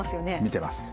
見てます。